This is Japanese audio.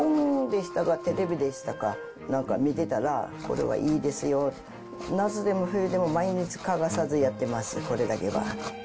テレビでしたか、なんか見てたら、これはいいですよ、夏でも冬でも毎日欠かさずやってます、これだけは。